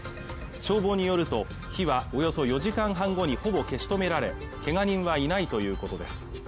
消防によると火はおよそ４時間半後にほぼ消し止められけが人はいないということです